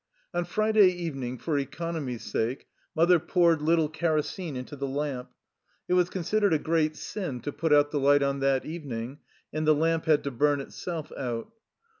On Friday evening, for economy's sake, mother poured little kerosene into the lamp. It was considered a great sin to put out the light on that evening, and the lamp had to burn itself out.